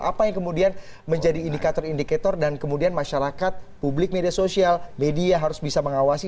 apa yang kemudian menjadi indikator indikator dan kemudian masyarakat publik media sosial media harus bisa mengawasi